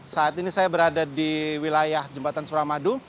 saat ini saya berada di wilayah jembatan suramadu